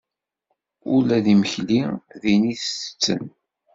Ula d imekli din i t-tetten.